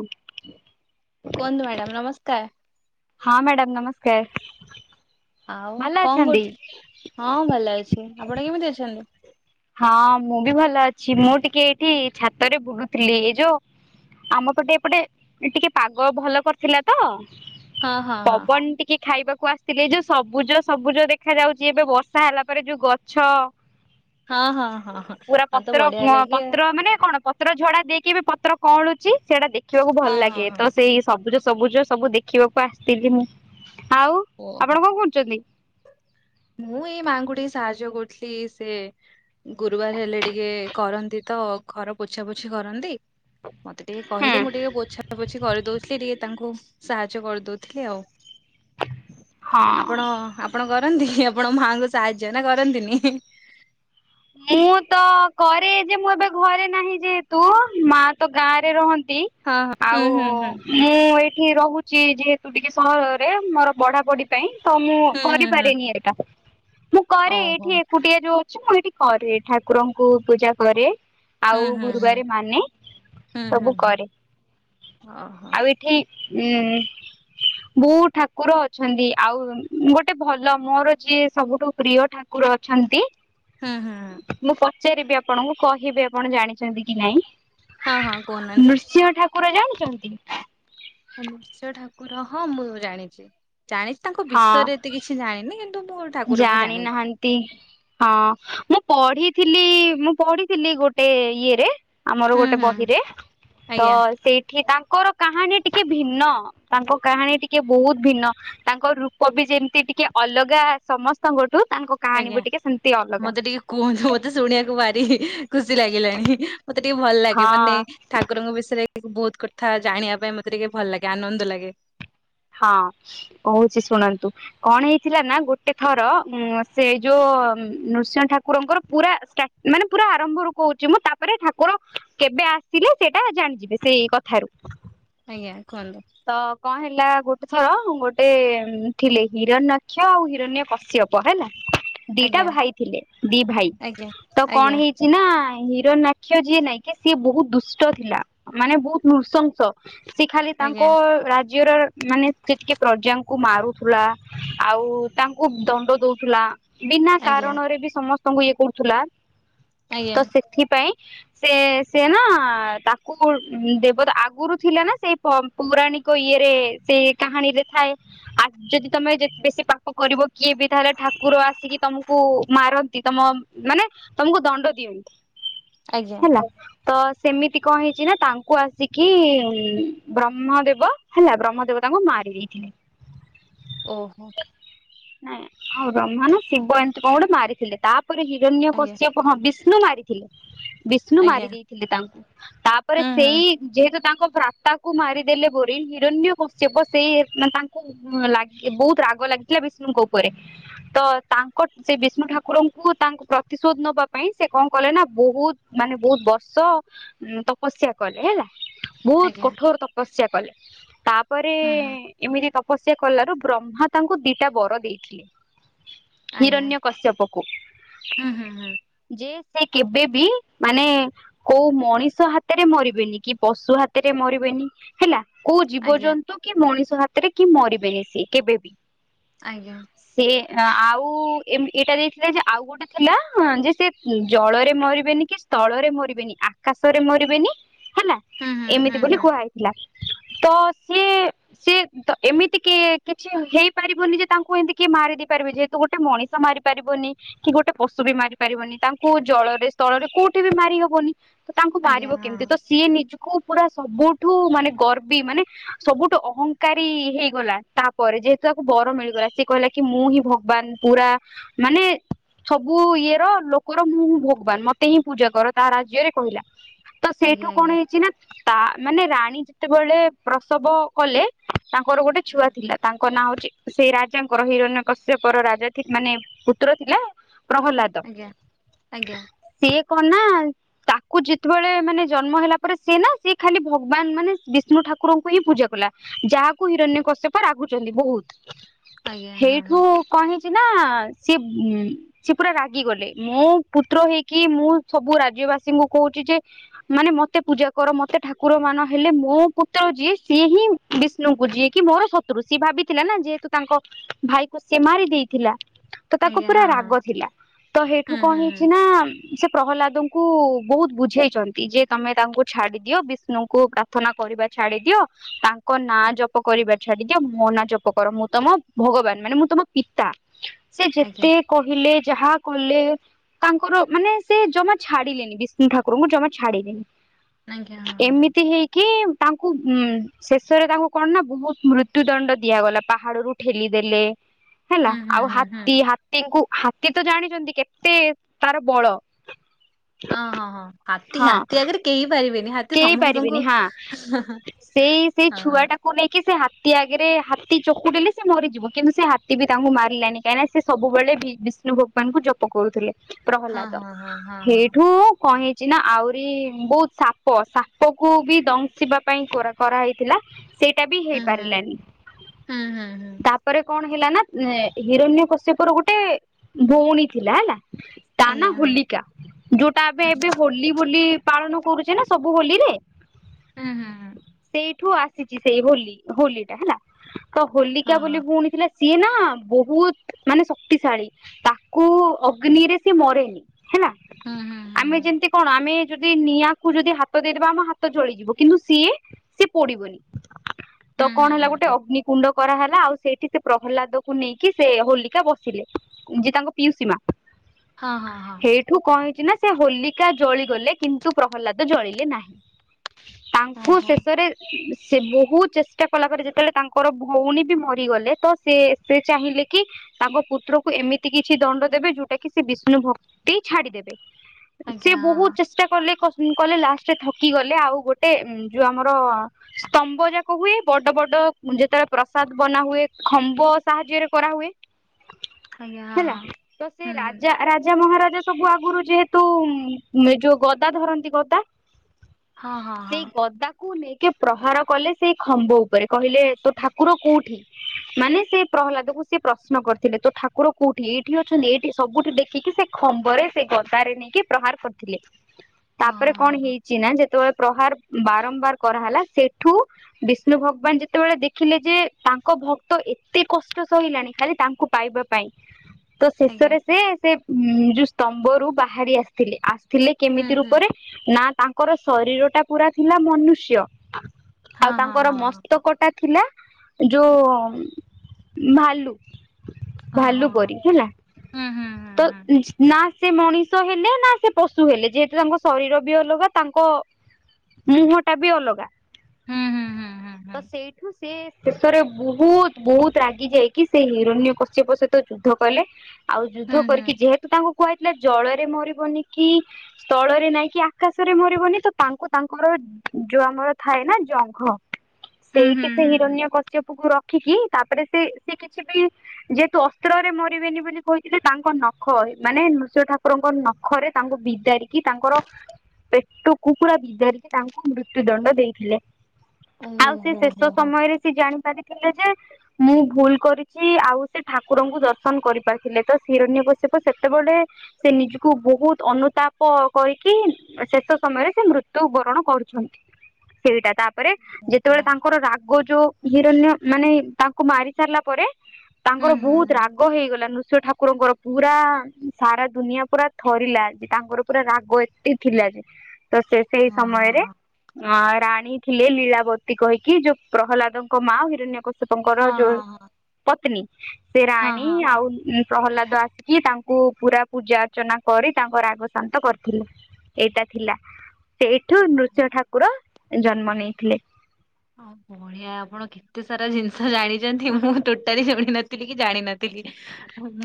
Okay. କୁହନ୍ତୁ madam ନମସ୍କାର? ହଁ ମ୍ୟାଡ଼ାମ୍ ନମସ୍କାର। ଆଉ ଭଲ କଣ ଅଛନ୍ତି? କରୁଛି ହଁ ଭଲ ଅଛି ଆପଣ କେମିତି ଅଛନ୍ତି? ହଁ ମୁଁ ବି ଭଲ ଅଛି ମୁଁ ଟିକେ ଏଇଠି ଛାତରେ ବୁଲୁଥିଲି ଏ ଯୋଉ ଆମ ପଟେ ଏପଟେ ଟିକେ ପାଗ ଭଲ କରିଥିଲା। ତ ହଁ ହଁ ହଁ ପବନ ଟିକେ ଖାଇବାକୁ ଆ ଥିଲେ ଏ ଯୋଉ ସବୁଜ ସବୁଜ ଦେଖାଯାଉଛି ଏବେ ବର୍ଷା ହେଲା ପରେ ଯୋଉ ଗଛ। ହଁ ହଁ ହଁ ହଁ। ପୁରା ଆଉ ତ ପତ୍ର ବଢିଆ ଲାଗେ ପତ୍ର ମାନେ କଣ ପତ୍ର ଝଡା ଦେଇକି ପତ୍ର କଅଁଳୁଛି ସେଟା ଦେଖ ଦେଖିବାକୁ ହଁ ଭଲ ହଁ ଲାଗେ ତ ହଁ ସେଇ ସବୁଜ ସବୁଜ ସବୁ ଦେଖିବାକୁ ଆସିଥିଲି ମୁଁ ଆଉ ଓ ଆପଣ କଣ କରୁଛନ୍ତି? ମୁଁ ଏଇ ମାଙ୍କୁ ଟିକେ ସାହାଯ୍ୟ କରୁଥିଲି ସେ ଗୁରୁବାର ହେଲେ ଟିକେ କରନ୍ତି ତ ଘର ପୋଛାପୋଛି କରନ୍ତି। ମତେ ଟିକେ ହୁଁ କହିଲେ ମୁଁ ଟିକେ ବୋଝା ବୋ ଝି କରିଦଉଥିଲି ଟିକେ ତାଙ୍କୁ ସାହାଯ୍ୟ କରିଦଉଥିଲି ଆଉ ହଁ ଆପଣ ଆପଣ କରନ୍ତି ଆପଣ ମାଆଙ୍କୁ ସାହାଯ୍ୟ ନା କରନ୍ତିନି? ମୁଁ ତ କରେ ଯେ ମୁଁ ଏବେ ଘରେ ନାହିଁ ଯେହେତୁ ମା ତ ଗାଁରେ ରହନ୍ତି। ହଁ ହଁ ଆଉ ହୁଁ ହୁଁ ମୁଁ ଏଇଠି ରହୁଛି ଯେହେତୁ ଟିକେ ସହରରେ ମୋର ପଢାପଢି ପାଇଁ ତ ମୁଁ ହୁଁ ହୁଁ ହୁଁ ହୁଁ କରିପାରେନି ଏଇଟା। କରେ ଓହୋ ଏଇଠି ଏକୁଟିଆ ଯୋଉ ଅଛି ମୁଁ ଏଇଠି କରେ ଠାକୁରଙ୍କୁ ପୂଜା କରେ। ଆଉ ହୁଁ ହୁଁ ହୁଁ ଗୁରୁବାର ମାନେ ହୁଁ ହୁଁ ସବୁ ହୁଁ। କରେ ଓହୋ ଆଉ ଏଠି ହୁଁ। ବୋହୁ ଠାକୁର ଅଛନ୍ତି ଆଉ ଗୋଟେ ଭଲ ମୋର ଯିଏ ସବୁଠୁ ପ୍ରିୟ ଠାକୁ ଠାକୁର ଅଛନ୍ତି। ହଁ ହଁ। ମୁଁ ପଚାରିବି ଆପଣଙ୍କୁ କହିବି ଆପଣ ଜାଣିଛନ୍ତି କି ନାଇଁ? ହଁ ହଁ କହୁନାହାନ୍ତି। ସିଂହ ଠାକୁର ଜାଣିଛନ୍ତି। ହନୃଶ୍ୟ ଠାକୁର ହଁ ମୁଁ ଜାଣିଛି ଜାଣିଛି ତାଙ୍କ ବିଷୟରେ ଏତେ କିଛି ଜାଣିନି କିନ୍ତୁ ବ ଜାଣିନାହାନ୍ ନ୍ତି ହଁ ମୁଁ ପଢିଥିଲି ମୁଁ ପଢିଥିଲି ଗୋଟେ ଇଏରେ ଆମର ହୁଁ ଗୋଟେ ହୁଁ। ବହିରେ ତ ଆଜ୍ଞା ସେଇ ତାଙ୍କର କାହାଣୀ ଟିକେ ଭିନ୍ନ ତାଙ୍କ କାହାଣୀ ଟିକେ ବହୁତ ଭିନ୍ନ। ତାଙ୍କ ରୂପ ବି ଯେମିତି ଟିକେ ଅଲଗା ସମସ୍ତଙ୍କଠୁ ତାଙ୍କ କାହାଣୀ ବି ଆଜ୍ଞା ଟିକେ ସେମିତି ଅଲଗା ମତେ ଟିକେ କୁହନ୍ତୁ ମତେ ଶୁଣିବାକୁ ମାରି ଖୁସି ଲାଗିଲାଣି। ମତେ ଟିକେ ଭଲ ହଁ ଲାଗେ ମାନେ ଠାକୁରଙ୍କ ବିଷୟରେ ବହୁତ କଥା ଜାଣିବା ପାଇଁ ମତେ ଟିକେ ଭଲ ଲାଗେ ଆନନ୍ଦ ଲାଗେ। ହଁ କହୁଛି ଶୁଣନ୍ତୁ। କଣ ହେଇଥିଲା ନା ଗୋଟେ ଥର ସେ ଯୋଉ ନୃସିଂହ ଠାକୁରଙ୍କର ପୁରା ସ୍ଥା ମାନେ ପୁରା ଆରମ୍ଭରୁ କହୁଛି ମୁଁ ତାପରେ ଠାକୁର କେବେ ଆସିଲେ ସେଇଟା ଜାଣିଯିବେ ସେଇ କଥାରୁ ଆଜ୍ଞା କୁହନ୍ତୁ। ତ କଣ ହେଲା ଗୋଟେ ଥର ଗୋଟେ ଥିଲେ ହିରଣ୍ୟକ୍ଷ ଆଉ ହିରଣ୍ୟ କଶ୍ୟପ ପ ହେଲା ଦିଟା ଆଜ୍ଞା ଭାଇ ଥିଲେ ଦି ଭାଇ ଆଜ୍ଞା ତ କଣ ଆଜ୍ଞା ହେଇ ନା ହିରନାକ୍ଷ୍ୟ ଯିଏ ନାଇଁ କି ସିଏ ବହୁତ ଦୁଷ୍ଟ ଥିଲା। ମାନେ ବହୁତ ନୃଶଂସ ସେ ଖାଲି ଆଜ୍ଞା ତାଙ୍କ ରାଜ୍ୟର ମାନେ ସେ ଟିକେ ପ୍ରଜାଙ୍କୁ ମାରୁଥିଲା ଆଉ ତାଙ୍କୁ ଦଣ୍ଡ ଦଉଥିଲା। ବିନା ଆଜ୍ଞା କାରଣରେ ବି ସମସ୍ତଙ୍କୁ ଇଏ କରୁଥିଲା ଆଜ୍ଞା ତ ସେଥିପାଇଁ ସେ ସେ ନା ତାକୁ ଦେବତା ଆଗରୁ ଥିଲେ ନା ସେ ପ ପୌରାଣିକ ଇଏରେ ସେଇ କାହାଣୀ ରେ ଥାଏ ଆ ଯଦି ତମେ ଯେ ବେଶୀ କରିବ କିଏ ବି ତାହେଲେ ଠାକୁର ଆସିକି ତମକୁ ମାରନ୍ତି ତମ ମାନେ ତମକୁ ଦଣ୍ଡ ଦିଅନ୍ତି ଆଜ୍ଞା ହେଲା। ତ ସେମିତି କଣ ହେଇଛି ନା ତାଙ୍କୁ ଆସିକି ବ୍ରହ୍ମ ଦେବ ହେଲା ବ୍ରହ୍ମ ଦେବ ତାଙ୍କୁ ମାରି ଦେଇଥିଲେ। ଓହୋ। ନାଇଁ ଆଉ ରମା ନା ଶିବ ଏମିତି କଣ ଗୋଟେ ମାରିଥିଲେ ତାପରେ ଆଜ୍ଞା ହିରଣ୍ୟକଶ୍ୟପ କହଁ ବିଷ୍ଣୁ ମାରିଥିଲେ ବିଷ୍ଣୁ ଆଜ୍ଞା ମାରି ଦେଇଥିଲେ ତାଙ୍କୁ। ତାପରେ ହୁଁ ହୁଁ ସେଇ ଯେହେତୁ ତାଙ୍କ ଭ୍ରାତାକୁ ମାରିଦେଲେ ବୋରି ହିରଣ୍ୟ କ ସେ ବ ସେଇ ମାନେ ତାଙ୍କୁ ଲ ବହୁତ ରାଗ ଲାଗିଥିଲା ବିଷ୍ଣୁଙ୍କ ଉପରେ ତ ତାଙ୍କ ସେ ବିଷ୍ଣୁ ଠାକୁରଙ୍କୁ ତାଙ୍କୁ ପ୍ରତିଶୋଧ ନବା ପାଇଁ ସେ କଣ କଲେ ନା ବହୁତ ମାନେ ବହୁତ ବର୍ଷ ଉଁ ତପସ୍ୟା କଲେ ହେଲା ବହୁତ ଆଜ୍ଞା କଠୋର ତପ ତପସ୍ୟା କଲେ ତାପରେ ହୁଁ ହୁଁ ଏମିତି ତପସ୍ୟା କଲାରୁ ବ୍ରହ୍ମା ତାଙ୍କୁ ଦି ଦିଟା ବର ଦେଇଥିଲେ। ଆଜ୍ଞା। ହିରଣ୍ୟ କଶ୍ୟପକୁ ହୁଁ ହୁଁ ହୁଁ ଯେ ସେ କେବେ ବି ମାନେ କୋଉ ମଣିଷ ହାତରେ ମରିବେନି, କି ପଶୁ ହାତରେ ମରିବେନି। ହେଲା। କୋଉ ଆଜ୍ଞା ଜୀବଜନ୍ତୁ କି ମଣିଷ ହାତରେ କି ମରିବେନି ସିଏ କେବେ ବି। ଆଜ୍ଞା। ସେ ଆଉ ଏଇଟା ଦେଇଥିଲେ ଯେ ଆଉ ଗୋଟେ ଥିଲା ଯେ ସେ ଜଳରେ ମରିବେନି କି ସ୍ଥଳରେ ମରିବେନି। ଆକାଶରେ ମରିବେନି ହେଲା। ହୁଁ ହୁଁ ଏମିତି ହୁଁ ବୋଲି ହୁଁ କୁହାହେଇଥିଲା। ତ ସିଏ ସିଏ ତ ଏମିତି କି କିଛି ହେଇ ପାରିବନି ଯେ ତାଙ୍କୁ ଏମତି କି ମାରି ଦେଇପାରିବେ ଯେହେତୁ ଗୋଟେ ମଣିଷ ମାରି ପାରିବନି। କି ଗୋଟେ ପଶୁ ବି ମାରି ପାରିବନି। ତାଙ୍କୁ ଜଳରେ ସ୍ଥଳରେ କୋଉଠି ବି ମାରି ହବନି। ତ ତାଙ୍କୁ ଆଜ୍ଞା ମାରିବ ହଁ କେମିତି ତ ହଁ ସିଏ ନିଜୁ କୁ ପୁରା ସବୁଠୁ ମାନେ ଗର୍ବି ମାନେ ସବୁଠୁ ଅହଙ୍କାରୀ ହେଇଗଲା। ତାପରେ ଯେହେତୁ ତାକୁ ବର ମିଳିଗଲା। ସିଏ କହିଲା କି ମୁଁ ହିଁ ଭଗବାନ। ପୁରା ମାନେ ସବୁ ଇଏର ଲୋକର ମୁଁ ହିଁ ଭଗବାନ। ମତେ ହିଁ ପୂଜା କର, ତା ରାଜ୍ୟରେ କହିଲା। ତ ସେଇଠୁ ଆଜ୍ଞା କଣ ଆଜ୍ଞା। ହେଇଚି ନା ତା ମାନେ ରାଣୀ ଯେତେବେଳେ ପ୍ରସବ କଲେ ତାଙ୍କର ଗୋଟେ ଛୁଆ ହୁଁ ଥିଲା। ତାଙ୍କ ନା ହଉଚି ସେଇ ରାଜାଙ୍କର ହିରଣ୍ୟ କଶ୍ୟପର ରାଜା ଥି ମାନେ ପୁତ୍ର ଥିଲା ପ୍ରହ୍ଲାଦ। ଆଜ୍ଞା ଆଜ୍ଞା ସିଏ କଣ ନା ତାକୁ ଯେତେବେଳେ ମାନେ ଜନ୍ମ ହେଲା ପରେ ସେ ନା ସିଏ ଖାଲି ଭଗବାନ ମାନେ ବିଷ୍ଣୁ ଠାକୁରଙ୍କୁ ହିଁ ପୂଜା କଲା। ଯାହାକୁ ହିରଣ୍ୟକଶ୍ୟପ ରାଗୁଛନ୍ତି ବହୁତ୍। ଆଜ୍ଞା ହଁ ହେଇଠୁ ହଁ କଣ ହେଇଛି ନା ସିଏ ସେ ପୁରା ରାଗି ଗଲେ। ମୋ ପୁତ୍ର ହେଇକି ମୁଁ ସବୁ ରାଜ୍ୟବାସୀଙ୍କୁ କହୁଚି ଯେ ମାନେ ମତେ ପୂଜା କର, ମତେ ଠାକୁର ମାନ। ହେଲେ ମୋ ପୁତ୍ର ଯିଏ ସିଏ ହିଁ ବିଷ୍ଣୁଙ୍କୁ ଯିଏ କି ମୋର ଶ ତ୍ରୁ ସିଏ ଭାବିଥିଲା ନା ଯେହେତୁ ତାଙ୍କ ଭାଇକୁ ସେ ମାରି ଦେଇଥିଲା। ତ ତାକୁ ଆଜ୍ଞା ପୁରା ହଁ ରାଗ ହଁ ଥିଲା। ତ ହେଇଠୁ ହୁଁ କଣ ହୁଁ ହେଇଚି ହୁଁ। ନା ସେ ପ୍ରହ୍ଲାଦଙ୍କୁ ବହୁତ ବୁଝେଇଛନ୍ତି ଯେ ତମେ ତାଙ୍କୁ ଛାଡି ଦିଅ ବିଷ୍ଣୁଙ୍କୁ ପ୍ରାର୍ଥନା କରିବା ଛାଡି ଦିଅ। ତା ଙ୍କ ନାଁ ଜପ କରିବା ଛାଡି ଦିଅ। ମୋ ନାଁ ଜପ କର। ମୁଁ ତମ ଭଗବାନ ମାନେ ମୁଁ ତମ ପିତା। ସେ ଆଜ୍ଞା ଯେତେ କହିଲେ ଯାହା କଲେ ତାଙ୍କର ମାନେ ସେ ଜମା ଛାଡିଲେନି, ବିଷ୍ଣୁ ଠାକୁରଙ୍କୁ ଜମା ଛାଡିଲେନି। ଆଜ୍ଞା ହଁ ହଁ ଏମିତି ହେଇକି ତାଙ୍କୁ ଉଁ ଶେଷରେ ତାଙ୍କୁ କଣ ନା ବହୁତ୍ ମୃତ୍ୟୁ ଦଣ୍ଡ ଦିଆଗଲା। ପାହାଡରୁ ଠେଲିଦେଲେ। ହେଲା। ହୁଁ ହୁଁ ଆଉ ହୁଁ ହୁଁ ହାତୀ ହାତୀଙ୍କୁ ସିଏ ତ ଜାଣିଛନ୍ତି କେତେ ତାର ବଳ। ହଁ ହଁ ହଁ। ହାତୀ ହଁ ହାତୀ ଆଗରେ କେହି ପାରିବେନି। ହା କେହି ପାରିବିନି ହଁ। ସେଇ ସେଇ ହଁ ଛୁଆ ଟାକୁ ନେଇକି ସେ ହା ତୀ ଆଗରେ ହାତୀ ଚକୁଡିଲେ ସେ ମରିଯିବ। କିନ୍ତୁ ସେ ହାତୀ ବି ତାଙ୍କୁ ମାରିଲାନି। କାହିଁକି ସେ ସବୁବେଳେ ବିଷ୍ଣୁ ଭକ୍ତି ତାଙ୍କୁ ଜପ କରୁଥିଲେ। ହଁ ପ୍ରହ୍ଲାଦ, ହଁ ହଁ ହଁ ହଁ। ହେଇଠୁ କଣ ହେଇଚି ନା ଆହୁରି ବହୁତ୍ ସା ପ ସାପ କୁ ବି ଦଂଶିବା ପାଇଁ କରା କରାହେଇଥିଲା। ସେଇଟା ବି ହଁ ହୁଁ ହୁଁ ହେଇପାରିଲାନି। ହୁଁ ହୁଁ ହୁଁ ତା ପରେ କଣ ହେଲା ନା ହିରଣ୍ୟକଶ୍ୟପର ଗୋଟେ ଭଉଣୀ ଥିଲା ହେଲା। ତା ନାଁ ଆଜ୍ଞା ହୁଁ ହୋଲିକା। ଯୋଉଟା ଏବେ ଏବେ ହୋଲି ବୋଲି ପାଳନ କରୁଚେ ନା ସବୁ ହୋଲିରେ ହୁଁ ହୁଁ ହୁଁ ହୁଁ। ସେଇଠୁ ଆସିଚି ସେଇ ହୋଲି ହୋଲିଟା ହେଲା। ତ ହଁ ହୋଲିକା ହଁ ବୋଲି ଭଉଣୀ ଥିଲା ସିଏ ନା ବହୁତ୍ ମାନେ ଶକ୍ତିଶାଳୀ। ତାକୁ ଅଗ୍ନିରେ ସିଏ ମରେନି। ହେଲା ହୁଁ ହୁଁ ଆମେ ଯେମିତି କଣ ଆମେ ଯଦି ନିଆଁ କୁ ଯଦି ହାତ ଦେଇଦେବା ଆମ ହାତ ଜଳିଯିବ କିନ୍ତୁ ସିଏ ସେ ପୋଡିବନି। ତ ହୁଁ ହୁଁ କଣ ହୁଁ ହେଲା ଗୋଟେ ହୁଁ ଅଗ୍ନିକୁୁଣ୍ଡ କରାହେଲା ଆଉ ସେଇଠି ସେ ପ୍ରହ୍ଲାଦକୁ ନେଇକି ସେ ହୋଲିକା ବସିଲେ। ଯେ ତାଙ୍କ ପିୟୁସୀ ମା। ହଁ ହଁ ହଁ। ଠୁ କଣ ହେଇଚି ନା ସେ ହୋଲିକା ଜଳିଗଲେ କିନ୍ତୁ ପ୍ରହ୍ଲାଦ ଜଳିଲେ ନାହିଁ। ତାଙ୍କୁ ହଁ ଓହୋ। ଶେଷରେ ସେ ବହୁତ ଚେଷ୍ଟା କଲା ପରେ ଯେତେବେଳେ ତାଙ୍କର ଭଉଣୀ ବି ମରିଗଲେ ତ ସେ ସେ ଚାହିଁଲେ କି ତାଙ୍କ ପୁତ୍ରକୁ ଏମିତି କିଛି ଦଣ୍ଡ ଦେବେ ଯଉଟା କି ସେ ବିଷ୍ଣୁ ଭକ୍ତି ଛାଡିଦେବେ। ସେ ଆଜ୍ଞା ହଁ ବହୁତ ହଁ ଚେଷ୍ଟା କଲେ କଲେ ଲାଷ୍ଟରେ ଥକି ଗଲେ ଆଉ ଗୋଟେ ଜୁଉ ଆମର ସ୍ତମ୍ଭ ଯାକ ହୁଏ ବଡ ବଡ ଯେତେବେଳେ ପ୍ରସାଦ ବନା ହୁଏ ଖମ୍ବ ସାହାଯ୍ୟରେ କରାହୁଏ। ଆଜ୍ଞା ହଁ ହେଲା ହଁ ତ ସେ ହୁଁ ହୁଁ। ରାଜା ରାଜା ମହାରାଜା। ସବୁ ଆଗରୁ ଯେହେତୁ ଯୋଉ ଗଦା ଧରନ୍ତି ଗଦା। ହଁ ହଁ ହଁ ସେଇ ଗଦାକୁ ନେଇକି ପ୍ରହାର କଲେ ସେଇ ଖମ୍ବ ଉପ ଉପରେ କହିଲେ ତୋ ଠାକୁର କୋଉଠି? ମାନେ ସେ ପ୍ରହ୍ଲାଦକୁ ସେ ପ୍ରଶ୍ନ କରିଥିଲେ ତୋ ଠାକୁର କୋଉଠି ଏଇଠି ଅଛନ୍ତି ଏଇଠି ସବୁଠି ଦେଖିକି ସେ ଖମ୍ବରେ ସେ ଗଦାରେ ନେଇକି ପ୍ରହାର କରିଥିଲେ। ହଁ ହଁ ତାପରେ ହଁ କଣ ହଁ ହେଇଛି ନା ଯେତେବେଳେ ପ୍ରହାର ବାରମ୍ବାର କରାହେଲା ସେଠୁ ବିଷ୍ଣୁ ଭଗବାନ ଯେତେବେଳେ ଦେଖିଲେ ଯେ ତାଙ୍କ ଭକ୍ତ ଏତେ କଷ୍ଟ ସହିଲାଣି ଖାଲି ତାଙ୍କୁ ପାଇବା ପାଇଁ। ହଁ ତ ଆଜ୍ଞା। ଶେଷରେ ସେ ସେ ଯୋଉ ସ୍ତମ୍ଭରୁୁ ବାହାରି ଆସିଥିଲେ ଆସିଥିଲେ ହୁଁ କେମିତି ହୁଁ। ରୂପରେ? ନା ତାଙ୍କର ଶରୀର ଟା ପୁରା ଥିଲା ମନୁଷ୍ୟ। ଆଉ ହଁ ହଁ ତାଙ୍କର ହଁ ହଁ ମସ୍ତକଟା ଥିଲା ଯଉ ଭାଲୁ ଓହୋ ଭାଲୁ ପରି ହେଲା। ହୁଁ ହୁଁ ତ ହୁଁ ନା ସେ ମଣିଷ ହେଲେ ନା ସେ ପଶୁ ହେଲେ ଯେତ ତାଙ୍କ ଶରୀର ବି ଅଲଗା ତାଙ୍କ ମୁହଁ ଟା ବି ଅଲଗା। ହୁଁ ହୁଁ ହୁଁ ହୁଁ ତ ସେଇଠୁ ସେ ଶେଷରେ ବହୁତ ବହୁତ ରାଗି ଯାଇକି ସେ ହିରଣ୍ୟ କଶ୍ୟପ ସହିତ ଯୁଦ୍ଧ କଲେ। ଆଉ ହୁଁ ଯୁଦ୍ଧ ହୁଁ। କରିକି ଯେହେତୁ ତାଙ୍କୁ କୁହାଯାଇଥିଲା ଜଳରେ ମରିବନି କି ସ୍ଥଳରେ ନାଇଁ କି ଆକାଶରେ ମରିବନି ତ ତାଙ୍କୁ ତାଙ୍କର ଯୋଉ ଆମର ଥାଏ ନା ଜଙ୍ଘ ହୁଁ ହୁଁ ସେଇଠି ସେ ହୁଁ ହୁଁ ହୁଁ ହୁଁ ହିରଣ୍ୟ କଶ୍ୟପକୁ ରଖିକି, ତାପରେ ସେ ସେ କିଛି ବି ଯେହେତୁ ଅସ୍ତ୍ରରେ ମରିବେନି ବୋଲି କହିଥିଲେ ତାଙ୍କ ନଖ ମାନେ ନୃସିଂହ ଠାକୁରଙ୍କ ନଖ ନଖରେ ତାଙ୍କୁ ବିଦାରି କି ତାଙ୍କର ପେଟକୁ ପୁରା ବିଦାରିକି ତାଙ୍କୁ ମୃତ୍ୟୁ ଦଣ୍ଡ ଦେଇଥିଲେ। ଆଉ ସେ ଓହୋ ହୋ ଶେଷ ହୋ ସମୟରେ ସେ ଜାଣି ପାରିଥିଲେ ଯେ ମୁଁ ଭୁଲ କରିଛି ଆଉ ସେ ଠାକୁରଙ୍କୁ ଦର୍ଶନ କରିପାରିଥିଲେ। ତ ହିରଣ କଶ୍ୟପ ସେତେବେଳେ ସେ ନିଜକୁ ବହୁତ ଅନୁତାପ କହିକି ଶେଷ ସମୟରେ ସେ ମୃତ୍ୟୁ ବରଣ କରୁଛନ୍ତି। ସେଇଟା ତାପ ପରେ ହୋ ଯେତେବେଳେ ହୋ। ତାଙ୍କର ରାଗ ଯୋଉ ହିରଣ୍ୟ ମାନେ ତାଙ୍କୁ ମାରି ସାରିଲା ପରେ ହୁଁ ତାଙ୍କର ହୁଁ ବହୁତ ହୁଁ ରାଗ ହେଇଗଲା ନୃସିଂହ ଠାକୁରଙ୍କର। ପୁରା ସାରା ଦୁନିଆ ପୁରା ଥରିଲା ଯେ ତାଙ୍କର ପୁରା ରାଗ ଏତେ ଥିଲା ଯେ, ତ ସେ ସେଇ ହଁ ହଁ ସମୟରେ ଅ ରାଣୀ ଥିଲେ ଲୀଳାବତୀ କହିକି ଯୋଉ ପ୍ରହ୍ଲାଦଙ୍କ ମା ହିରଣ୍ୟ କ ଶ୍ୟପଙ୍କର ହଁ ହଁ ଯୋଉ ହଁ ପତ୍ନୀ ସେ ହଁ ହଁ ରାଣୀ ହଁ। ଆଉ ପ୍ରହଲ୍ଲାଦ ଆସିକି ତାଙ୍କୁ ପୁରା ପୂଜା ଅର୍ଚ୍ଚନା କରି ତାଙ୍କ ରାଗ ଶାନ୍ତ କରିଥିଲେ। ଏଇଟା ଥିଲା ସେଇଠୁ ନୃସିଂହ ଠାକୁର ଜନ୍ମ ନେଇଥିଲେ। ଆ ବଢିଆ ଆପଣ କେ ଏତେ ସାରା ଜିନିଷ ଜାଣିଛନ୍ତି ମୁଁ ଟୋଟାଲି ସୁଣିନଥିଲି କି ଜାଣିନଥିଲି।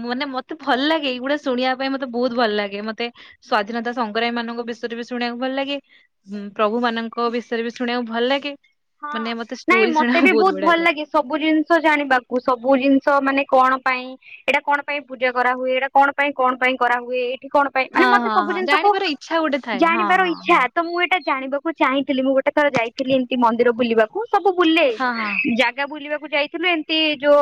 ମୁଁ ନା ମ ତେ ଭଲ ଲାଗେ ଏଗୁଡା ଶୁଣିବା ପାଇଁ ମତେ ବହୁତ ଭଲ ଲାଗେ। ମତେ ସ୍ଵାଧୀନତା ସଂଗ୍ରାମୀ ମାନଙ୍କ ବିଷୟରେ ବି ଶୁଣିବାକୁ ଭଲ ଲାଗେ। ହୁଁ ପ୍ରଭୁ ମାନଙ୍କ ବିଷୟରେ ବି ଶୁଣିବାକୁ ଭଲ ଲାଗେ। ହଁ ମାନେ ମତେ ନାଇଁ ଷ୍ଟୋରି ମତେ ଶୁଣିବାକୁ ବି ବହୁତ ବଢିଆ ଭଲ ଲାଗେ। ସବୁ ଜିନିଷ ଜାଣିବାକୁ ସବୁ ଜିନିଷ ମାନେ କଣ ପାଇଁ ଏଇଟା କଣ ପାଇଁ ପୂଜା କରାହୁଏ? ଏଇଟା କଣ ପାଇଁ କଣ ପାଇଁ କରାହୁଏ ଏଇଠି କଣ? ମାନେ ହଁ ମତେ ହଁ ସବୁ ହଁ ଜିନିଷକୁ ଜାଣିବାର ଇଚ୍ଛା ଗୋଟେ ଥାଏ ହଁ ଜାଣିବାର ହଁ ଇଛା ତ ମୁଁ ଏଇଟା ଜାଣିବା କୁ ମୁଁ ଚାହିଁଥିଲି ମୁଁ ଗୋଟେ ଥର ଯାଇଥିଲି ଏମିତି ମନ୍ଦିର ବୁଲିବାକୁ ସବୁ ବୁଲେ ହଁ ହଁ ହଁ। ଜା ଗା ବୁଲିବାକୁ ଯାଇଥିଲୁ ଏମତି ଯୋଉ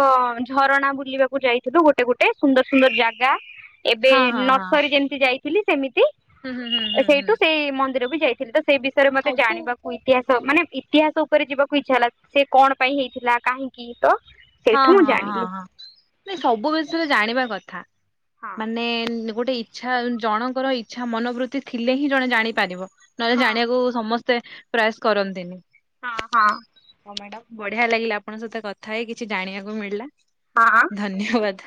ଝରଣା ବୁଲିବାକୁ ଯାଇଥିଲୁ ଗୋଟେ ଗୋଟେ ସୁନ୍ଦର ସୁନ୍ଦର ଜାଗା। ଏବେ ହଁ ହଁ ହଁ ନର୍ସରୀ ଯେମିତି ଯାଇଥିଲି ସେମିତି ହୁଁ ହୁଁ ହୁଁ ହୁଁ ହୁଁ ସେଇଠୁ ସେଇ ମନ୍ଦିର ବି ଯାଇଥିଲି ତ ସେଇ ବିଷୟରେ ମତେ ସବୁ ଜାଣିବାକୁ ଇତିହାସ ମାନେ ଇତିହାସ ଉପରେ ଯିବାକୁ ଇଚ୍ଛା ହେଲା ସେ କଣ ପାଇଁ ହେଇଥିଲା କାହିଁକି ତ ସେଇଠୁ ମୁଁ ଜାଣିଲି ହଁ-ହଁ-ହଁ-ହଁ ସବୁ ବିଷୟରେ ଜାଣିବା କଥା। ହଁ ମାନେ ଗୋଟେ ଇଚ୍ଛା ଜଣଙ୍କର ଇଚ୍ଛା ମନୋବୃତ୍ତି ଥିଲେ ହିଁ ଜଣେ ଜାଣିପାରିବ। ନହେଲେ ହଁ ଜାଣିବାକୁ ସମସ୍ତେ ପ୍ରୟାସ କରନ୍ତିନି। ହଁ-ହଁ। ହଁ ମାଡ଼ାମ ବଢିଆ ଲାଗିଲା ଆପଣଙ୍କ ସହିତ କଥା ହେଇ କିଛି ଜାଣିବାକୁ ମିଳିଲା। ହଁ ଅ। ଧନ୍ୟବାଦ୍।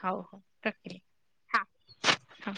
ହୋଉ ହୋଉ ରଖିଲି। ହଁ ହଁ।